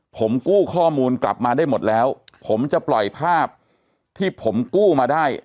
ผมกู้ข้อมูลกลับมาได้หมดแล้วผมจะปล่อยภาพที่ผมกู้มาได้